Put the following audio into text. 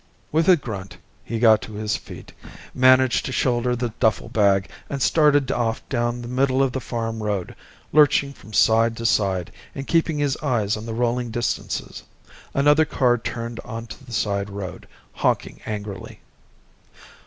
With a grunt, he got to his feet, managed to shoulder the duffle bag, and started off down the middle of the farm road, lurching from side to side, and keeping his eyes on the rolling distances. Another car turned onto the side road, honking angrily.